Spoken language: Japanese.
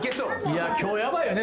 いや今日ヤバいよね